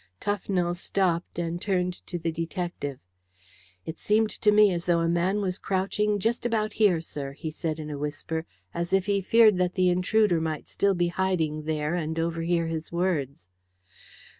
Tufnell stopped, and turned to the detective. "It seemed to me as though a man was crouching just about here, sir," he said in a whisper, as if he feared that the intruder might still be hiding there and overhear his words.